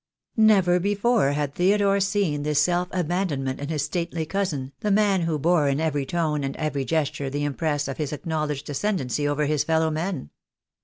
Never before had Theodore seen this self abandon ment in his stately cousin, the man who bore in every tone and every gesture the impress of his acknowledged ascendency over his fellow men.